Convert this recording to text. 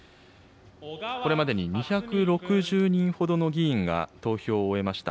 これまでに２６０人ほどの議員が投票を終えました。